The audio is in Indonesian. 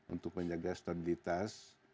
untuk penjaga stabilitas